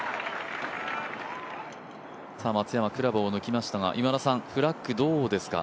松山、クラブを抜きましたが今田さん、フラッグ、どうですか？